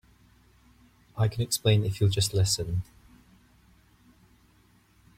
I can explain if you'll just listen.